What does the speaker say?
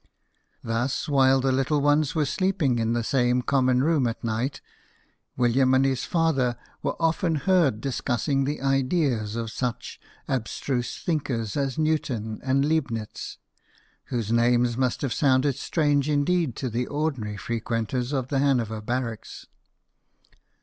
Thus, while the little ones were sleeping in the same common room at night, William and his father were often heard discussing the ideas of such abstruse thinkers as Newton and Leibnitz, whose names must have sounded strange indeed to the ordinary frequenters of the Hanover barracks.